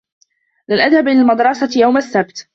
لن أذهب للمدرسة يوم السبت.